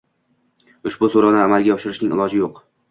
Ushbu soʻrovni amalga oshirishning iloji yoʻq